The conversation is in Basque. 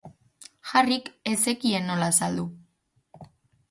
Harryk ez zekien nola azaldu.